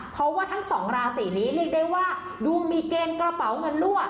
เพราะว่าทั้งสองราศีนี้เรียกได้ว่าดูมีเกณฑ์กระเป๋าเงินรั่ว